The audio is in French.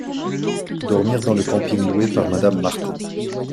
dormir dans le camping loué par madame Martin.